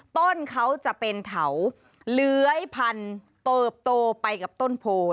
ต้นเขาจะเป็นเถาเลื้อยพันเติบโตไปกับต้นโพ